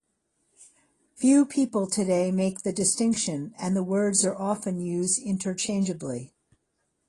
Few people today make the distinction, and the words are often used interchangeably.